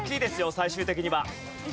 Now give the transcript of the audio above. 最終的には。